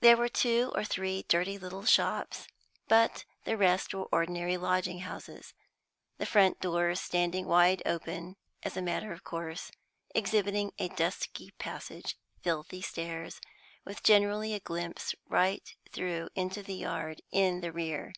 There were two or three dirty little shops, but the rest were ordinary lodging houses, the front doors standing wide open as a matter of course, exhibiting a dusky passage, filthy stairs, with generally a glimpse right through into the yard in the rear.